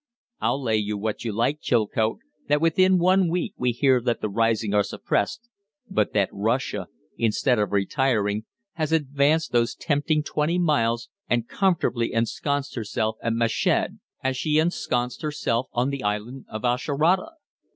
I'll lay you what you like, Chilcote, that within one week we hear that the risings are suppressed, but that Russia, instead of retiring, has advanced those tempting twenty miles and comfortably ensconced herself at Meshed as she ensconced herself on the island of Ashurada.